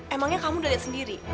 emangnya kamu udah lihat sendiri